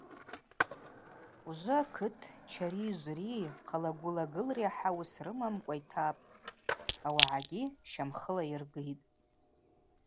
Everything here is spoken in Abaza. Ужвы акыт чари жври хъала-гвыла гылри ахӏа уыс рымамкӏва йтапӏ, ауагӏагьи щамхыла йыргитӏ.